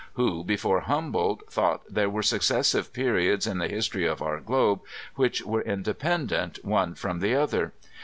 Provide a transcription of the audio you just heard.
Who, before Humboldt, thought there were successive periods in the history of our globe which were independent one from the other?